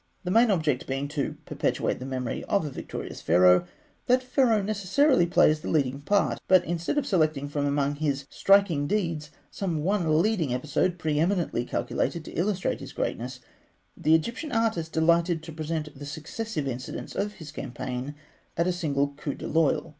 The main object being to perpetuate the memory of a victorious Pharaoh, that Pharaoh necessarily plays the leading part; but instead of selecting from among his striking deeds some one leading episode pre eminently calculated to illustrate his greatness, the Egyptian artist delighted to present the successive incidents of his campaigns at a single coup d'oeil.